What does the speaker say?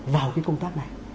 vào cái công tác này